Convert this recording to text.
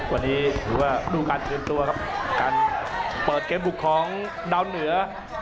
วันนี้ถือว่าดูการเตรียมตัวครับการเปิดเกมบุกของดาวเหนือ